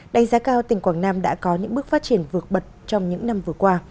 đánh giá cao tỉnh quảng nam đã có những bước phát triển vượt bật trong những năm vừa qua